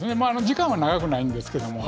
時間は長くないんですけども。